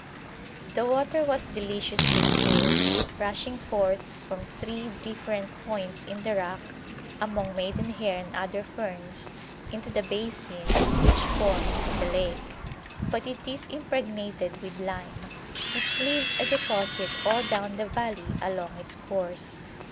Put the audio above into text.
The water was deliciously cool, rushing forth from three different points in the rock among maidenhair and other ferns into the basin which formed the lake, but it is impregnated with lime, which leaves a deposit all down the valley along its course.